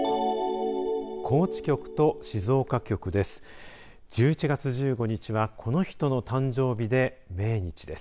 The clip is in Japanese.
高知局と静岡局です。